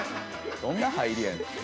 どんな入りやねん。